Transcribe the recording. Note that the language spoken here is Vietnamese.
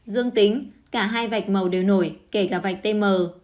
dương tính cả hai vạch màu đều nổi kể cả vạch t mờ